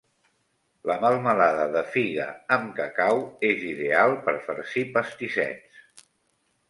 La melmelada de figa amb cacau és ideal per farcir pastissets.